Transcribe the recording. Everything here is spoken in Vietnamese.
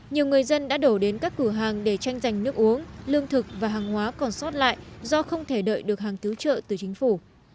nhiều người dân đã đổ đến các cửa hàng để tranh giành nước uống lương thực và hàng hóa còn sót lại do không thể đợi được hàng cứu trợ từ chính phủ